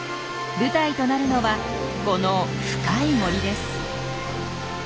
舞台となるのはこの深い森です。